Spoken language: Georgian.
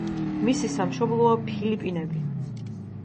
მისი სამშობლოა ფილიპინები.